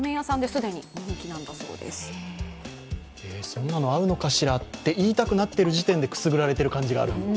そんなのあるのかしらって言いたくなってる時点でくすぶられている感じがする。